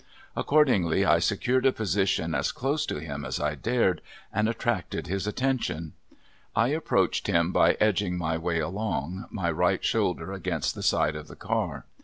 Accordingly, I secured a position as close to him as I dared, and attracted his attention. I approached him by edging my way along, my right shoulder against the side of the car.